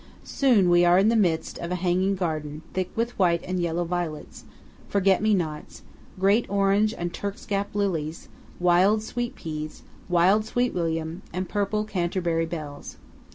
Soon we are in the midst of a hanging garden thick with white and yellow violets, forget me nots, great orange and Turkscap lilies, wild sweet peas, wild sweet William, and purple Canterbury bells.